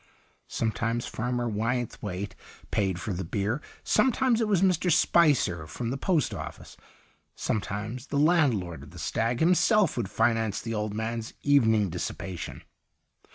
Sometimes Farmer Wynthwaite paid for the beer ; sometimes it was Mr. Spicer from the post office ; sometimes the land lord of The Stag himself would finance the old man's evening dis sipation.